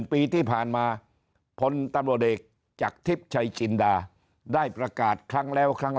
ปีที่ผ่านมาพลตำรวจเอกจากทิพย์ชัยจินดาได้ประกาศครั้งแล้วครั้ง